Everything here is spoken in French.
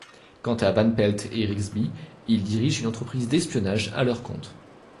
Quant à Van Pelt et Rigsby, ils dirigent une entreprise d'espionnage à leur compte.